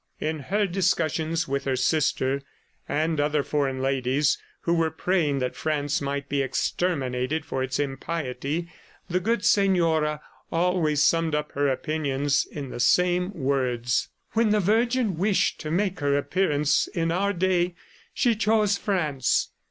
In her discussions with her sister and other foreign ladies who were praying that France might be exterminated for its impiety, the good senora always summed up her opinions in the same words: "When the Virgin wished to make her appearance in our day, she chose France.